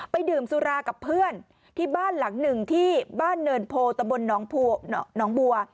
ดื่มสุรากับเพื่อนที่บ้านหลังหนึ่งที่บ้านเนินโพตะบนน้องบัว